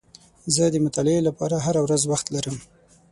زه د مطالعې لپاره هره ورځ وخت لرم.